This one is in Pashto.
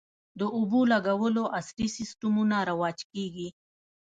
د اوبولګولو عصري سیستمونه رواج کیږي